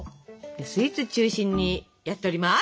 スイーツ中心にやっております！